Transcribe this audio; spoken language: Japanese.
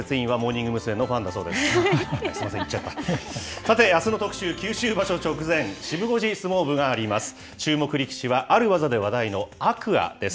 さて、あすの特集、九州場所直前、シブ５時相撲部があります。